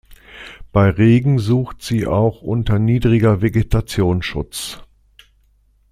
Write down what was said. Bei Regen sucht sie auch unter niedriger Vegetation Schutz.